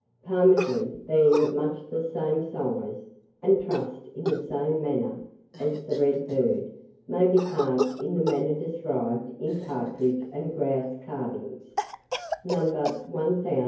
PTARMIGAN, being of much the same size, and trussed in the same manner, as the red bird, may be carved in the manner described in Partridge and Grouse carving, Nos.